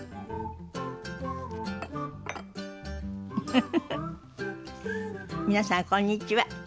フフフフ皆さんこんにちは。